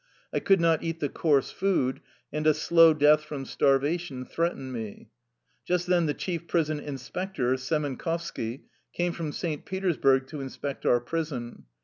I could not eat the coarse food, and a slow death from starvation threat ened me. Just then the chief prison inspector, Semenkovski, came from St. Petersburg to in spect our prison.